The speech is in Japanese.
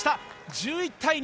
１１対２。